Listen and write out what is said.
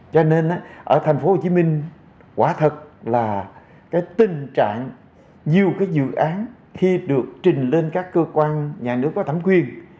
cho nên ở thành phố hồ chí minh quả thật là cái tình trạng nhiều cái dự án khi được trình lên các cơ quan nhà nước có thẩm quyền